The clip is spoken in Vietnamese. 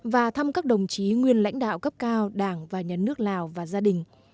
và thăm các đồng chí nguyên lãnh đạo cấp cao đảng và nhà nước lào và gia đình